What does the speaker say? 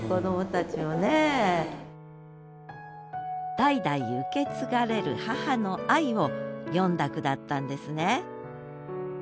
代々受け継がれる母の愛を詠んだ句だったんですね